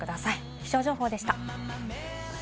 気象情報でした。